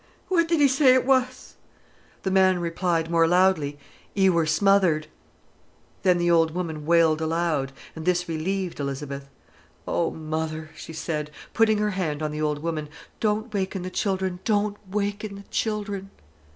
—what did 'e say it was?" The man replied, more loudly: "'E wor smothered!" Then the old woman wailed aloud, and this relieved Elizabeth. "Oh, mother," she said, putting her hand on the old woman, "don't waken th' children, don't waken th' children."